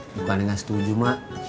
bukannya nggak setuju mak